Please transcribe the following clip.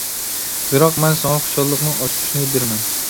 بىراق مەن ساڭا خۇشاللىقنىڭ ئاچقۇچىنى بېرىمەن.